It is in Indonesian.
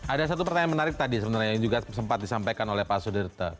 ada satu pertanyaan menarik tadi sebenarnya yang juga sempat disampaikan oleh pak sudirta